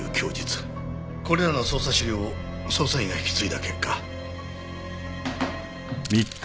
これらの捜査資料を捜査員が引き継いだ結果。